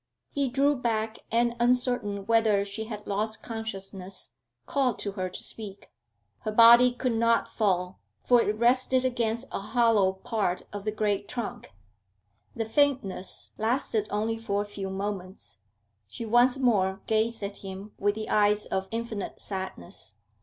He drew back and, uncertain whether she had lost consciousness, called to her to speak. Her body could not fall, for it rested against a hollow part of the great trunk. The faintness lasted only for a few moments; she once more gazed at him with the eyes of infinite sadness.